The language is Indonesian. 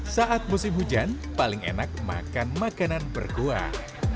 saat musim hujan paling enak makan makanan berkuah